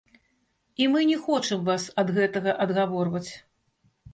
І мы не хочам вас ад гэтага адгаворваць.